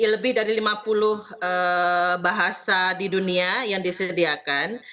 lebih dari lima puluh bahasa di dunia yang disediakan